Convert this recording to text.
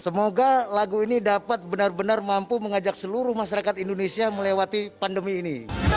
semoga lagu ini dapat benar benar mampu mengajak seluruh masyarakat indonesia melewati pandemi ini